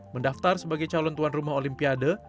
mendaftar sebagai calon tuan rumah olimpiade